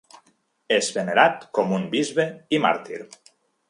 És venerat com un bisbe i màrtir.